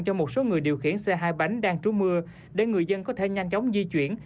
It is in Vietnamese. cho một số người điều khiển xe hai bánh đang trú mưa để người dân có thể nhanh chóng di chuyển